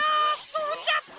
そうじゃった！